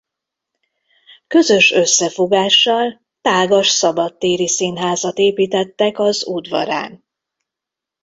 Közös összefogással tágas szabadtéri színházat építettek az udvarán.